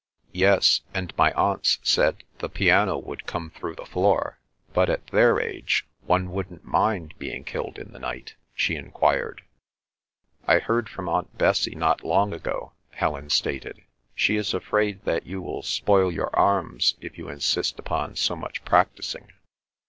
"Yes, and my aunts said the piano would come through the floor, but at their age one wouldn't mind being killed in the night?" she enquired. "I heard from Aunt Bessie not long ago," Helen stated. "She is afraid that you will spoil your arms if you insist upon so much practising."